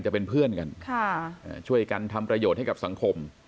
จะเป็นเพื่อนกันช่วยกันทำประโยชน์ให้กับสังคม